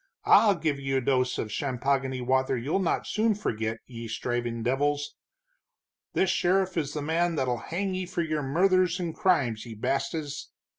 I'll give you a dose of champoggany wather you'll not soon forget, ye strivin' devils! This sheriff is the man that'll hang ye for your murthers and crimes, ye bastes!"